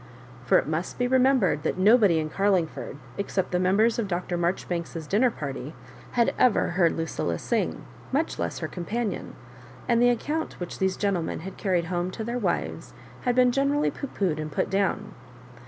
For it must be remembered that nobody in Carlingford, except the members of Dr. Maijoribanks's dinner party, had ever heard LuciUa sing, much less her companion; and the account which these gentlemen had carried home to their wives had been generally pooh poohed and put down.